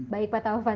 baik pak taufan